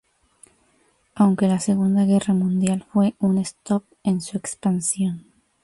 Aunque la segunda guerra mundial fue un stop en su expansión.